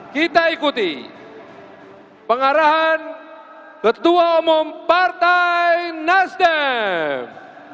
kita ikuti pengarahan ketua umum partai nasdem